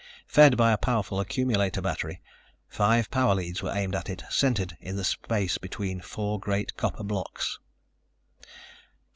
Fed by a powerful accumulator battery, five power leads were aimed at it, centered in the space between four great copper blocks.